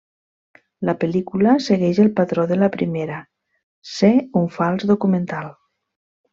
La pel·lícula segueix el patró de la primera, ser un fals documental.